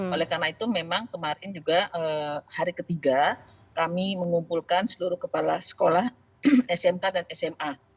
oleh karena itu kemarin hari ketiga kami mengumpulkan seluruh kepala sekolah sma dan smk